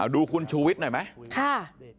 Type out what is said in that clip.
ดูคุณชูวิทย์หน่อยไหม